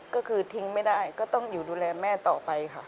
ก็คือทิ้งไม่ได้ก็ต้องอยู่ดูแลแม่ต่อไปค่ะ